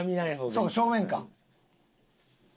そうか正面か。